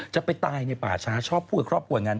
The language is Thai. จะไปตายในป่าช้าชอบพูดกับครอบครัวอย่างนั้น